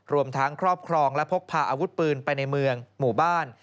รวมทั้งครอบครองและพกพาอาวุธปืนไปในเมืองหมู่บ้าน